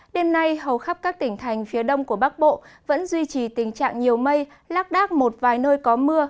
đêm nay hầu khắp các tỉnh thành phía đông của bắc bộ vẫn duy trì tình trạng nhiều mây lác đác một vài nơi có mưa